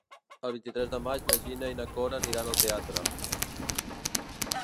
El vint-i-tres de maig na Gina i na Cora aniran al teatre.